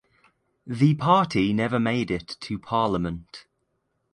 The party never made it to parliament.